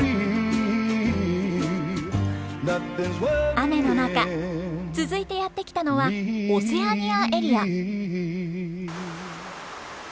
雨の中続いてやって来たのはオセアニアエリア。